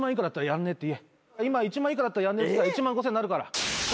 今１万円以下だったらやんねえっつったら１万５，０００円になるから。